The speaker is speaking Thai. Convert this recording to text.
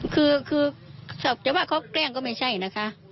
คือสอบจะว่าเขาแกล้งก็ไม่ใช่นะคะ